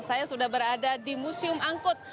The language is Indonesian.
saya sudah berada di museum angkut